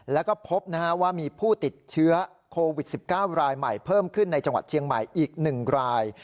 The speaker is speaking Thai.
แล้วก็พบว่ามีผู้ติดเชื้อโควิด๑๙รายใหม่เพิ่มขึ้นในจังหวัดเชียงใหม่อีก๑ราย